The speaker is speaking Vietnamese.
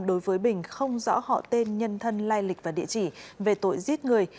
đối với bình không rõ họ tên nhân thân lai lịch và địa chỉ về tội giết người